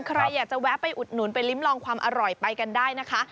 ใครอยากจะแวะไปอุดหนุนไปลิ้มลองความอร่อยไปกันได้นะคะ